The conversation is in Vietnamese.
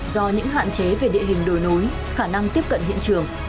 do những hạn chế về địa hình đồi núi khả năng tiếp cận hiện trường